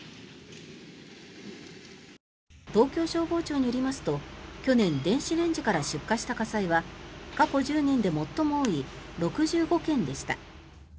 東京消防庁によりますと去年、電子レンジから出火した火災は過去１０年で最も多い６５件でした。